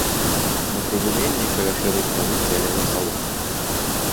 На прыгуменні, каля шэрай сцяны, бялела салома.